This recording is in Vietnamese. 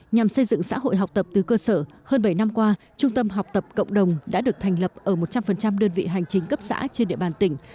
nhằm xây dựng xã hội học tập từ cơ sở hơn bảy năm qua trung tâm học tập cộng đồng đã được thành lập ở một trăm linh đơn vị hành chính cấp xã trên địa bàn tỉnh